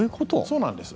そうなんです。